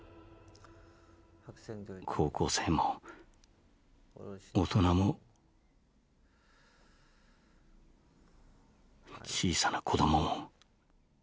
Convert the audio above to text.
高校生も大人も小さな子どもも。